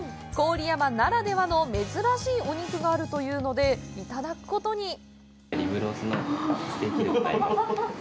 郡山ならではの珍しいお肉があるというので、いただくことに。